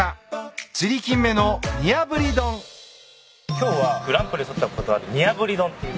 今日はグランプリ取ったことある煮炙り丼っていう。